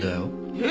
えっ？